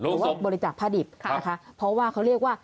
ลงสกหรือว่าบริจักษ์ผ้าดิบค่ะเพราะว่าเขาเรียกว่า